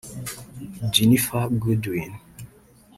Ginnifer Goodwin